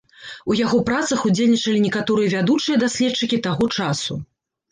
У яго працах удзельнічалі некаторыя вядучыя даследчыкі таго часу.